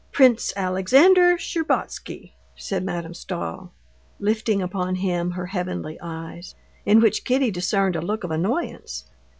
"Prince Alexander Shtcherbatsky," said Madame Stahl, lifting upon him her heavenly eyes, in which Kitty discerned a look of annoyance.